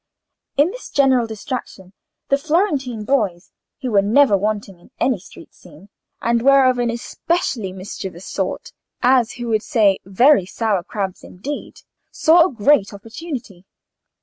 In this general distraction, the Florentine boys, who were never wanting in any street scene, and were of an especially mischievous sort—as who should say, very sour crabs indeed—saw a great opportunity.